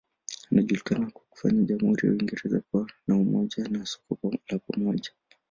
Anajulikana kwa kufanya jamhuri ya Uingereza kuwa na umoja na soko la pamoja.